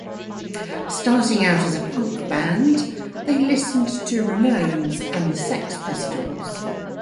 Starting out as a punk band, they listened to Ramones and the Sex Pistols.